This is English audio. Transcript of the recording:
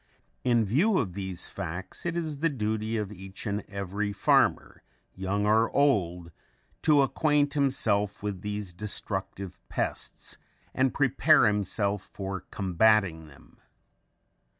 In view of these facts it is the duty of each and every farmer, young or old, to acquaint himself with these destructive pests and prepare himself for combating them.